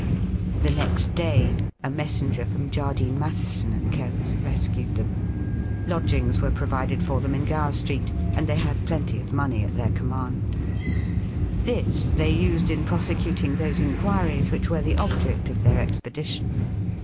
The next day a messenger jfrom Jardine, Matheson, & Co.'s rescued them. Lodgings were provided for them in Gower Street, and they had plenty of money at their command. This they used in prosecuting those inquiries which were the object of their expedition.